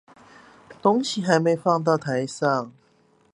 東西還沒放到台上